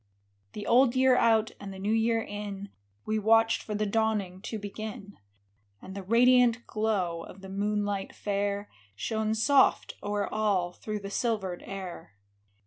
HE old year out and the new year in, We watched for the dawning to begin ; And the radiant glow of the moonlight fair Shone soft o'er all through the silvered air.